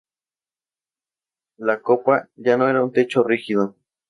La Copa ya no era un techo rígido.